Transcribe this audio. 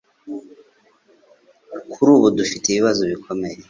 Kuri ubu, dufite ibibazo bikomeye.